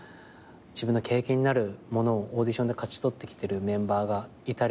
自分の経験になるものをオーディションで勝ち取ってきてるメンバーがいたりとか。